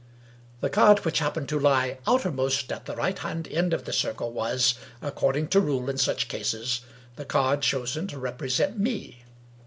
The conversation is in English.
The card which happened to lie outermost, at the right hand end of the circle, was, according to rule in such cases, the card chosen to represent Me.